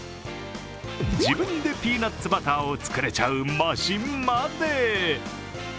自分でピーナッツバターを作れちゃうマシンまで。